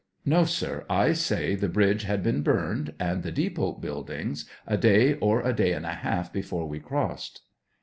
No, sir ; I say the bridge had been burned, and the depot buildings, a day or a day and a half before we crossed.